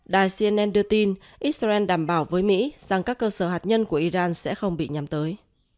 đài cnn đưa tin israel đảm bảo với mỹ rằng các cơ sở hạt nhân của iran sẽ không bị nhắm tới